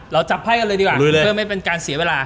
เราจับไพ่กันเลยดีกว่าเพื่อไม่เป็นการเสียเวลา